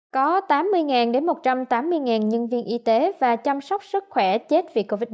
có tám mươi đến một trăm tám mươi nhân viên y tế và chăm sóc sức khỏe chết